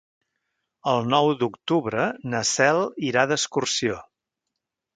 El nou d'octubre na Cel irà d'excursió.